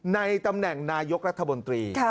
ในตำแหน่งนายกรัฐมนตรี